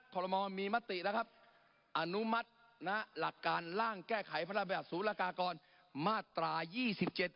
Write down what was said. ขอรมณ์มีมตินะครับอนุมัตินะหลักการร่างแก้ไขพระบาทศูนย์ลากากรมาตรายี่สิบเจ็ด